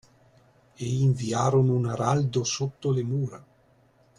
E inviarono un araldo sotto le mura